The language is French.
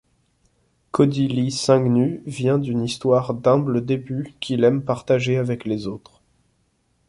Cody Lee Saintgnue vient d'une histoire d'humbles débuts qu'il aime partager avec les autres.